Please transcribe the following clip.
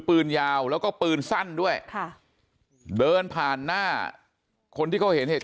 ปืนยาวแล้วก็ปืนสั้นด้วยค่ะเดินผ่านหน้าคนที่เขาเห็นเหตุ